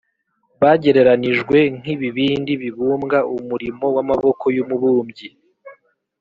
bagereranijwe nk’ibibindi bibumbwa, Umurimo w’amaboko y’umubumbyi!